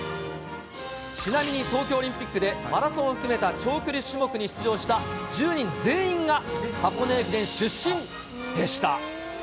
ちなみに東京オリンピックでマラソンを含めた長距離種目に出場した１０人全員が、箱根駅伝出身でした。